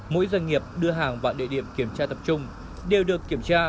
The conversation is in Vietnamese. mỗi doanh nghiệp đưa hàng vào địa điểm kiểm tra tập trung đều được kiểm tra